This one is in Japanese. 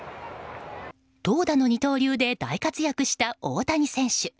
投打の二刀流で大活躍した大谷選手。